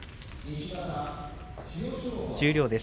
十両です。